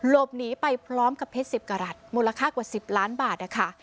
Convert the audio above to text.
หลบหนีไปพร้อมกับเพชร๑๐กรัฐมูลค่ากว่า๑๐ล้านบาทนะคะ